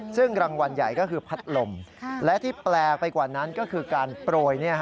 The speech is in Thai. ซึ่งรางวัลใหญ่ก็คือพัดลมและที่แปลกไปกว่านั้นก็คือการโปรย